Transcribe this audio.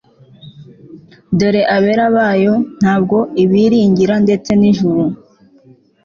Dore abera bayo ntabwo ibiringira Ndetse n ijuru